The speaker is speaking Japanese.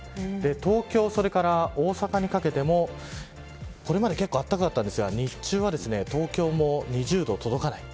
東京それから大阪にかけてもこれまで結構暖かかったんですが日中は東京も２０度に届かない。